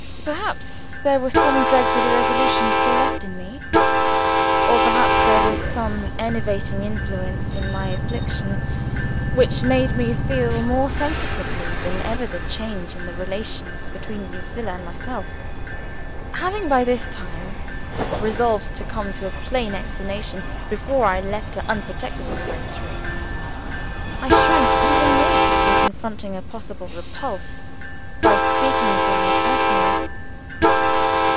Perhaps, there were some dregs of irresolution still left in me. Or, perhaps, there was some enervating influence in my affliction, which made me feel more sensitively than ever the change in the relations between Lucilla and myself. Having, by this time, resolved to come to a plain explanation, before I left her unprotected at the rectory, I shrank, even yet, from confronting a possible repulse, by speaking to her personally.